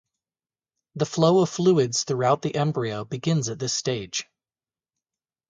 The flow of fluids throughout the embryo begins at this stage.